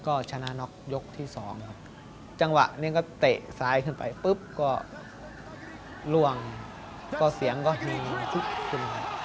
ก็ชนะน็อกยกที่สองครับจังหวะนี้ก็เตะซ้ายขึ้นไปปุ๊บก็ล่วงก็เสียงก็ยิงขึ้นมา